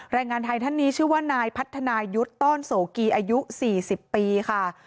แรงงานไทยท่านนี้ชื่อว่านายพัฒนายุทธ์ต้อนโสกีอายุ๔๐ปีค่ะ